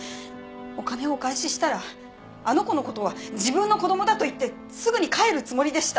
お金をお返ししたらあの子の事は自分の子供だと言ってすぐに帰るつもりでした。